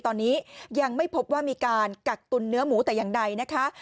ตอนนี้ยังไม่พบว่ามีการกักตุนเนื้อหมูแต่อย่างใดนะคะ